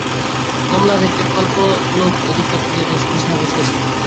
কমলা আজ একটা কল্পনালোক অধিকার করিয়া বেশ গুছাইয়া বসিয়া ছিল।